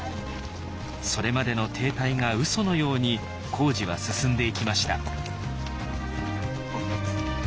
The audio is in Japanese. それまでの停滞がうそのように工事は進んでいきました。